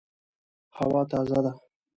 هوا تازه ده